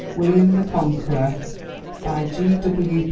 WILLIAM THE CONQUEROR By G. W.